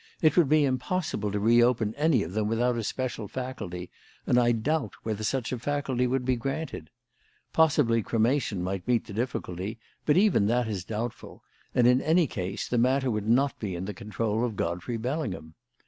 It would be impossible to reopen any of them without a special faculty, and I doubt whether such a faculty would be granted. Possibly cremation might meet the difficulty, but even that is doubtful; and, in any case, the matter would not be in the control of Godfrey Bellingham.